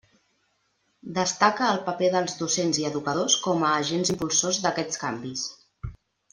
Destaca el paper dels docents i educadors com a agents impulsors d'aquests canvis.